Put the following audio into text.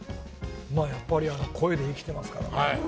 まあ、やっぱり声で生きてますからね。